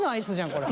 これ。